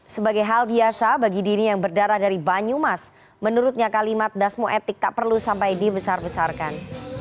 sebagai hal biasa bagi diri yang berdarah dari banyumas menurutnya kalimat dasmo etik tak perlu sampai dibesar besarkan